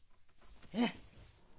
えっ！？